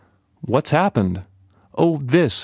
"What s happened?" "Oh, this!